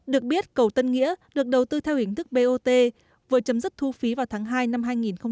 được biết cầu tân nghĩa được đầu tư theo hình thức bot vừa chấm dứt thu phí vào tháng hai năm hai nghìn hai mươi